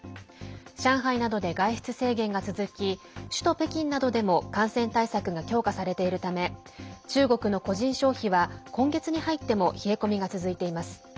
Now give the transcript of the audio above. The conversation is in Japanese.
上海などで外出制限が続き首都・北京などでも感染対策が強化されているため中国の個人消費は今月に入っても冷え込みが続いています。